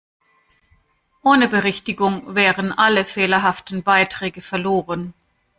Ohne Berichtigung wären alle fehlerhaften Beiträge verloren.